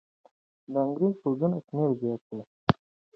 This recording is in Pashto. د انګریزي پوځونو شمېر زیاتېده.